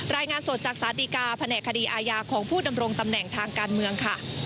รายงานสดจากสาธิกาแผนกคดีอาญาของผู้ดำรงตำแหน่งทางการเมืองค่ะ